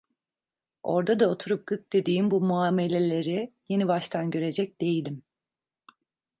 Orda da oturup gık dediğim bu muameleleri yeni baştan görecek değilim.